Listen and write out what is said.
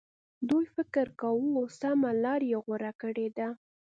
دوی فکر کاوه سمه لار یې غوره کړې ده.